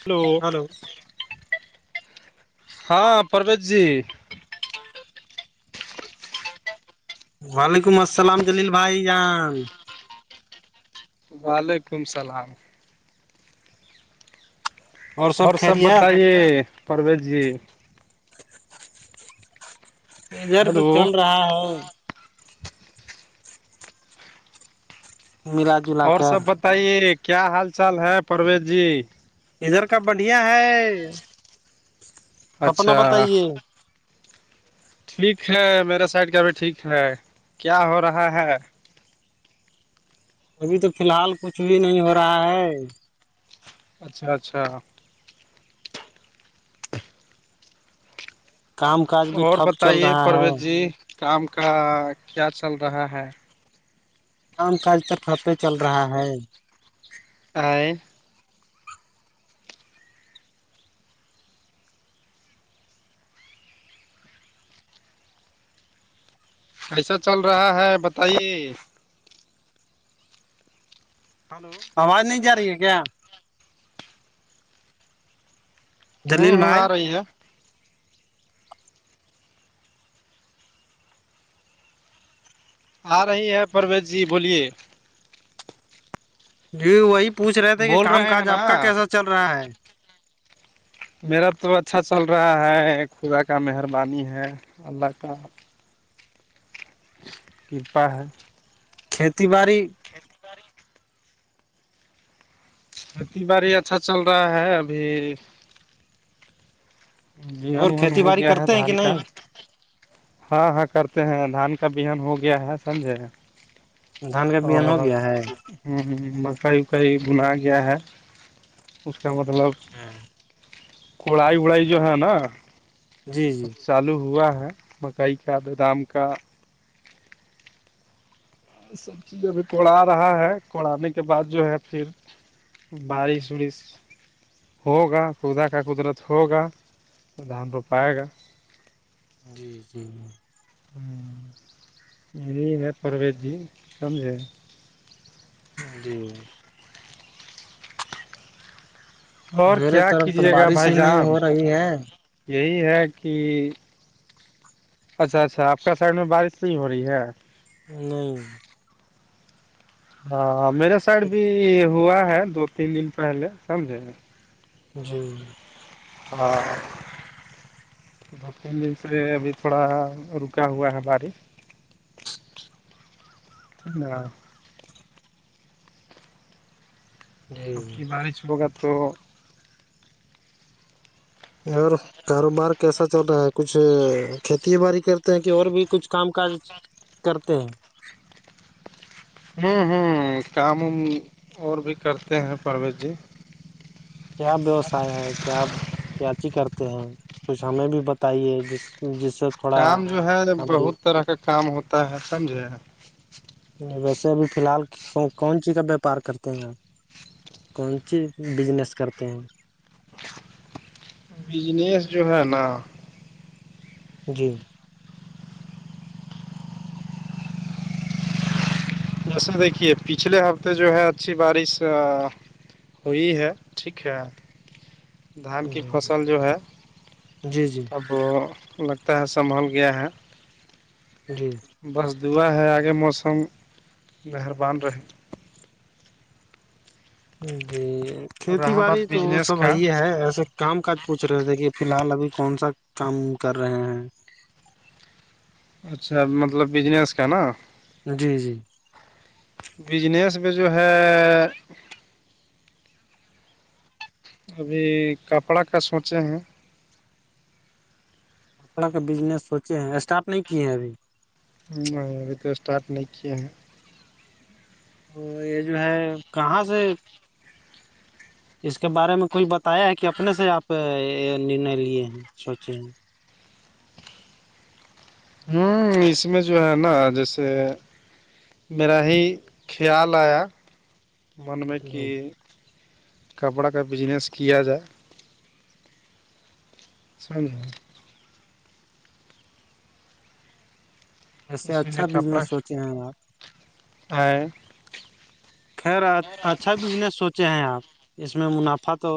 hello hello ہاں پروت جی وعلیکم السلام جلیل بھائی جان وعلیکم السلام اور سب بتائیے پرویز جی ادھر ہلو کچ چل رہا ہے مراج اور سب بتائیے کیا حال چال ہے پرویز جی ادھر کا بڑھیا ہے سپنا اچھا بتائیے ٹھیک ہے میرے سائڈ کیا ابھی ٹھیک ہے کیا ہو رہا ہے ابھی تو فی الحال کچھ بھی نہیں ہو رہا ہے اچھا اچھا کام کاج بھی اور ٹھپ چل بتائیے رہا ہے پرویز جی کام کا کیا چل رہا ہے کام کل تور پپے چل رہا ہے آ ایسا چل رہا ہے بتائیے ہلو آواز نہیں جا رہی ہے کیا ہوں جلیل ہوں آ بھائی رہی ہے آ رہی ہے پرویز جی بولیے جی وہی پوچھ رہے تھے کہ بول کام رہے ہیں کاج آپ کا نا کیسا چل رہا ہے میرا تو اچھا چل رہا ہے خدا کا مہربانی ہے اللہ کا کرپا ہے کھیتی باڑی کھیتی باڑی کھیتی باڑی اچھا چل رہا ہے ابھی بیہن اور وہن کھیتی ہو باڑی گیا ہے کرتے ہیں کہ دھان کا نہیں ہاں ہاں کرتے ہیں دھان کا بہن ہو گیا ہے سمجے دھان کا بہن اورو ہو ہوں گیا ہے ہ مرکائی وکائی بنا گیا ہے اس کا مطلب ہاں کڑائی وڑائی جو ہے نا جی جی چالو ہوا ہے مکئی کا بادام کا سب چیز ابھی کوڑا رہا ہے کوڑانے کے بعد جو ہے پھر بڑی ڑس ہوگا خدا کا قدرت ہوگا تو دھان ر پائے گا جی جی ج ہوں یہی ہے پرویز جی سمجھے ای اور میرے کیا طرف تو کیجیے گا بارش بھائی ہی نہیں صاحب ہو رہی ہے یہی ہے کہ اچھا اچھا آپ کا سائڈ میں بارش سی ہو رہی ہے نو ہاں میرے سائڈ بھی ہوا ہے دو تین دن پہلے سمجھے گ جی ہ دن دن سے ابھی تھوڑا رکا ہوا ہے باری نہ اب جی کہ بارش ہوگا تو اور کاروبار کیسا چل رہا ہے کچھ کھیتی باڑی کرتے ہیں کہ اور بھی کچھ کام کاج کرتے ہیں ہوں ہوں کام وم اور بھی کرتے ہیں پرمیش جی کیا ووسائے ہے کیا کیاچی کرتے ہیں کچھ ہمیں بھی بتائیے جس جس تھوڑا کام جو ہے ہم بھی بہت طرح کا کام ہوتا ہے سمجھے ویسے ابھی فی الحال کون سیز کا ویاپار کرتے ہیں آپ کون سی بزنس کرتے ہیں بجنیس جو ہے نا جی اصل دیکھیے پچھلے ہفتے جو ہے اچھی بارش وہی ہے ٹھیک ہے دھان کی جی فصل جو ہے جی جی اب لگتا ہے سنبھل گیا ہے جی بس دعا ہے آگے موسم مہربان رہے جی اور کھیتی رہا باڑی بات تو بجنس سب کا وہی ہے ایسے کام کاج پوچھ رہے تھے کہ فی الحال ابھی کون سا کام کر رہے ہیں اچھا مطلب بجنس کا نا جی جی بجنس میں جو ہے ہ ابھی کپڑا کا سوچے ہیں طڑح کے بزنس سوچے ہیں اسٹارٹ نہیں کیے ہیں ابھی نہیں ابھی تو اسٹارٹ نہیں کیے ہیں تو یہ جو ہے کہاں سے اس کے بارے میں کوئی بتایا ہے کہ اپنے سے آپ نرنے لیے ہیں سوچے ہوں اس میں جو ہے نا جیسے میرا ہی خیال آیا من میں کہ جی کپڑا کا بجنس کیا جائے س ایسے اچھا بزنس سوچے ہیں آپ ہ خیر اچھا بزنس سوچے ہیں آپ اس میں منافع تو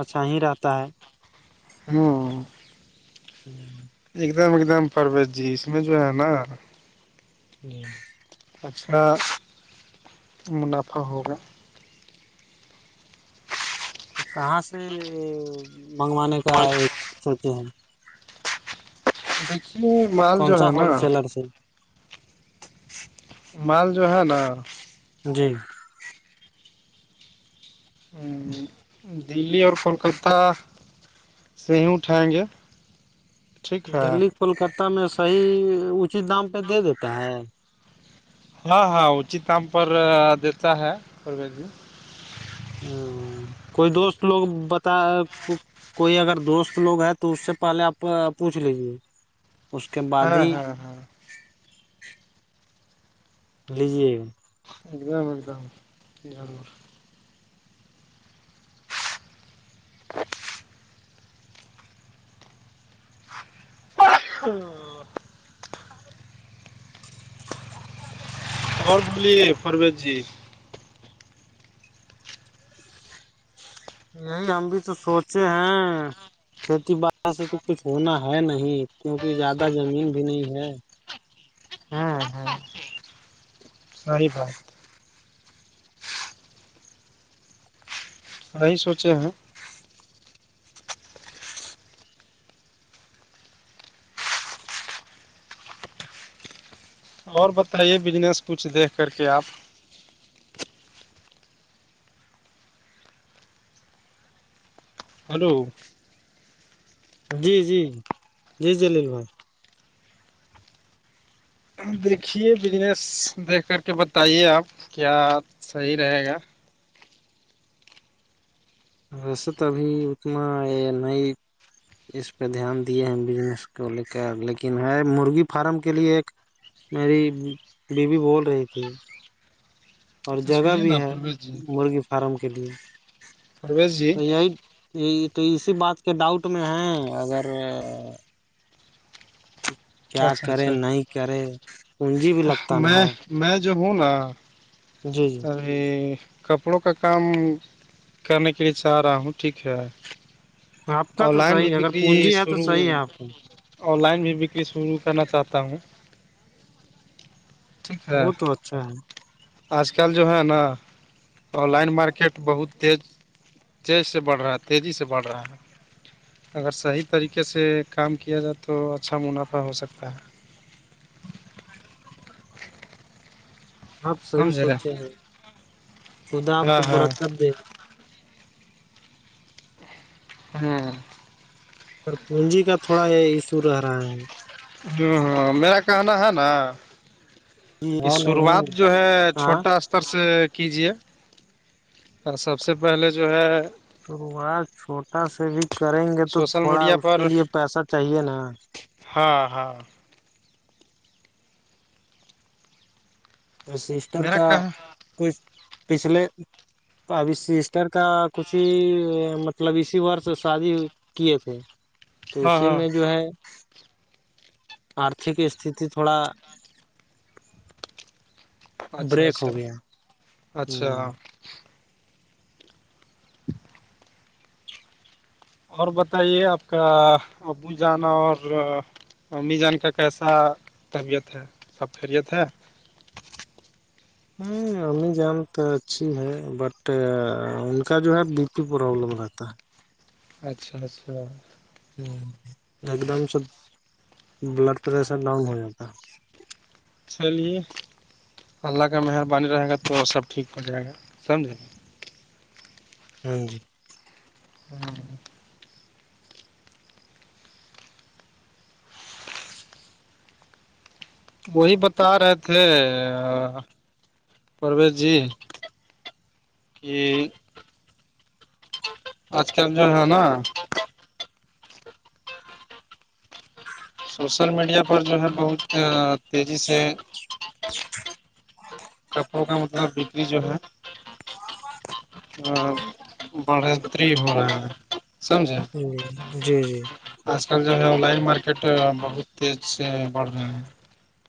اچھا ہی رہتا ہے ہاں ہوں ایک دم ایک دم پرویز جی اس میں جو ہے نا جی اچھا منافع ہوگا کہاں سے منگوانے کا ایک سوچے ہم دیکھیے مال کون جو سا ہے نا ہول سیلر سے مال جو ہے نا جی دللی اور کولکتہ س ہ اٹھائیں گے ٹھیک ہے دلی پلکتہ میں صحیح اونچی دام پہ دے دیتا ہے ہاں ہاں اچت کاام پر دیتا ہے پر بھی ہ کوئی دوست لوگ بتا کوئی اگر دوست لوگ ہے تو اس سے پہلے آپ پوچھ لیجیے اس کے بعد ہاں ہی ہاں ہاں لیجیے گا ایک دم ایک دم جانور ہوں اور بلیے پروز جی یہی ہم بھی تو سوچے ہیں کھیتی باڑی سے تو کچھ ہونا ہے نہیں کیوںکہ زیادہ زمین بھی نہیں ہے ہاں ہاں صی بات وہی سوچے ہیں اور بتائیے بجنس کچھ دیکھ کر کے آپ ہلو جی جی جی دلیل بھائی دیکھیے بجنس دیکھ کر کے بتائیے آپ کیا صحیح رہے گا ویسے تو ابھی اتنا ہے نہیں اس پہ دھیان دیے ہیں بجنس کو لے کر لیکن ہے مرغی فارم کے لیے ایک میری بیوی بول رہی تھی اور اچھا جگہ سنیے بھی نا ہے پرویز جی مرغی فارم کے لیے پرویز جی تو یہی یہ تو اسی بات کے ڈاؤٹ میں ہے اگر کیا اچھا کرے اچھا نہیں کرے سجی بھی لگتا نا میں ہے میں جو ہوں نا جی جی ارے کپڑوں کا کام کرنے کے لیے چاہ رہا ہوں ٹھیک ہے آپ کا آن تو لائن صحیح بھی ہے اگر بکری پونجی ہے تو شروع صحیح ہے آپ کو آن لائن بھی بکری شروع کرنا چاہتا ہوں ٹھیک ہے وہ تو اچھا ہے آج کل جو ہے نا آن لائن مارکیٹ بہت تیز چیز سے بڑھ رہا ہے تیزی سے بڑھ رہا ہے اگر صحیح طریقے سے کام کیا جائے تو اچھا منافع ہو سکتا ہے آپ صحیح سمجھ رہے سوچے ہیں خدا آپ ہاں کو ہاں برکت دے ہاں س پونجی کا تھوڑا یہ ایشو رہا ہے ہاں ہاں میرا کہنا ہے نا کہ ہے شروعات نہیں جو ہے ہاں چھوٹا ار سے کیجیے اور سب سے پہلے جو ہے شروات چھوٹا سا بھی کریں گے تو سوشل تھوڑا میڈیا اس کے پر لیے پیسہ چاہیے نا ہاں ہاں سسٹر میرا کا کہ ہاں کچھ پچھلے تو ابھی سسٹر کا کچھ ہی مطلب اسی وورس شادی کی تھ تو اسی ہاں میں جو ہے آرتھک استتی تھوڑا اچھا بریک ہو اچھا گیا ہوں اچھا اور بتائیے آپ کا ابو جانا اور امی جان کا کیسا طربیعت ہے سب خیریت ہے ہ امی جان تو اچھی ہے بٹ ان کا جو ہے بی پی پرابلم رہتا ہے اچھا اچھا ہ ایک دم سے بلڈ پریشر ڈاؤن ہو جاتا ہے چلیے اللہ کا مہربانی رہے گا تو سب ٹھیک ہو جائے گا سمجھیں گے ہاں جی ہاں وہی بتا رہے تھے پرویز جی کہ آج کل جو ہے نا سوشل میڈیا پر جو ہے بہت تیزی سے ج ہ تو کپڑوں کا مطلب بکری جو ہے ہ بڑتری ہو رہ ہے سمجھے جیی جی جی آج کل جو ہے آن لائن مارکیٹ بہت تیز سے بڑھ رہے ہیں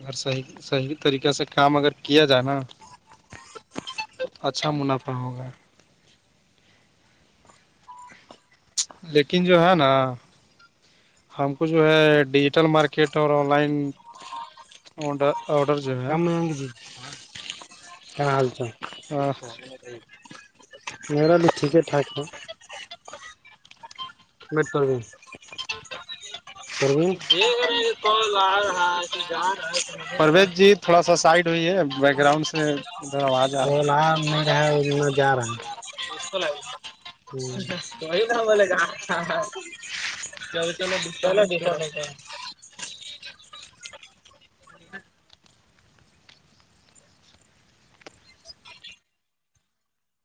اور صحیح صحیح طریقے سے کام اگر کیا جائے نا اچھا منافع ہوگا لیکن جو ہے نا ہم کو جو ہے ڈیجیٹل مارکیٹ اور آن لائن آرڈر چاہ کمگ جی کیا حال چ میر بھی ٹھیک ہے ٹھاک ہے بیٹ پر پر تو جا رہا ہے توجے میں پرویز جی تھوڑا سا سائڈ ہوئی ہے بیک گراؤنڈ سے ادھر آواز آ رہا ہے میں جا رہا ہے توئی تھام بولے گ ن تو میں دتا ن دسانے کہ اور